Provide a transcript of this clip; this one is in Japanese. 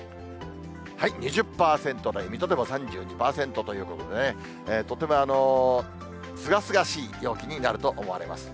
２０％台、水戸でも３２％ということでね、とてもすがすがしい陽気になると思われます。